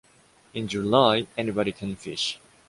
In July, anybody can fish.